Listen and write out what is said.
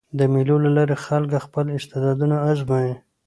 د مېلو له لاري خلک خپل استعدادونه آزمويي.